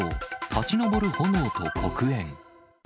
立ち上る炎と黒煙。